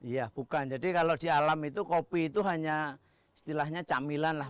iya bukan jadi kalau di alam itu kopi itu hanya istilahnya camilan lah